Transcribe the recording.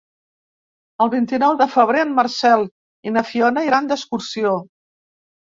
El vint-i-nou de febrer en Marcel i na Fiona iran d'excursió.